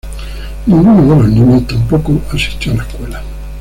Ninguno de los niños tampoco asistió a la escuela.